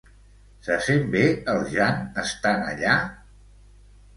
Se sent bé el Jan estant allà?